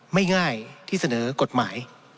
ไม่ง่ายที่เสนอกฎหมาย